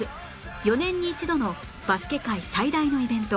４年に１度のバスケ界最大のイベント